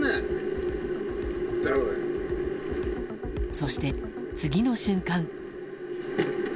そして、次の瞬間。